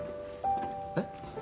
えっ？